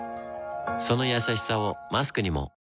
そのやさしさをマスクにも